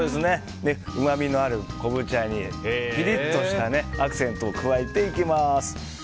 うまみのある昆布茶にピリッとしたアクセントを加えていきます。